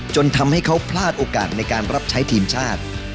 จนทำให้เขาพลาดโอกาสในการรับใช้ทีมชาติ